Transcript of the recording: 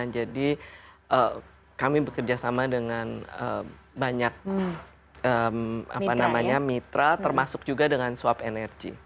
jadi kami bekerja sama dengan banyak mitra termasuk juga dengan swap energy